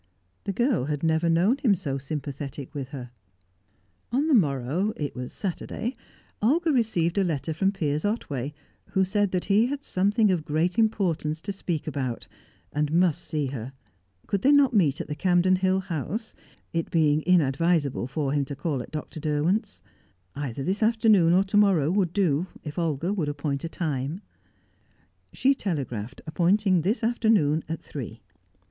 The girl had never known him so sympathetic with her. On the morrow it was Saturday Olga received a letter from Piers Otway, who said that he had something of great importance to speak about, and must see her; could they not meet at the Campden Hill House, it being inadvisable for him to call at Dr. Derwent's? Either this afternoon or to morrow would do, if Olga would appoint a time. She telegraphed, appointing this afternoon at three.